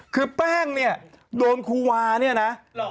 คือแป้งเนี่ยโดนครูวาเนี่ยนะ